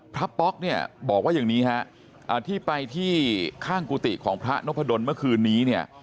ป๊อกเนี่ยบอกว่าอย่างนี้ฮะที่ไปที่ข้างกุฏิของพระนพดลเมื่อคืนนี้เนี่ย